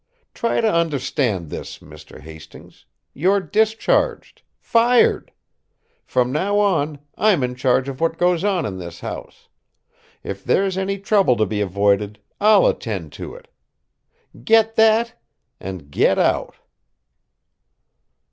Try to understand this, Mr. Hastings: you're discharged, fired! From now on, I'm in charge of what goes on in this house. If there's any trouble to be avoided, I'll attend to it. Get that! and get out!"